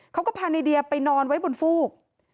เขาก็พาในเดียไปนอนไว้บนฟูก